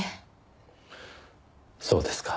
そうですか。